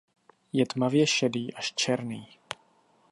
Je tmavě šedý až černý.